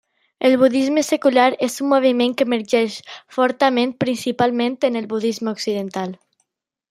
El budisme secular és un moviment que emergeix fortament principalment en el budisme occidental.